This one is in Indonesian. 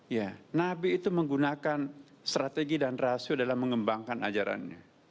ya nabi itu menggunakan strategi dan rasio dalam mengembangkan ajarannya